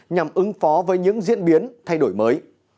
nhằm ứng phó với những diễn biến thay đổi mới